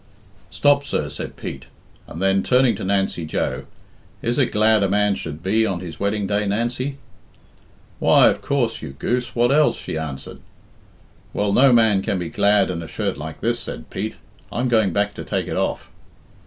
"Stop, sir," said Pete, and then, turning to Nancy Joe, "Is it glad a man should be on his wedding day, Nancy?" "Why, of coorse, you goose. What else?" she answered. "Well, no man can be glad in a shirt like this," said Pete; "I'm going back to take it off."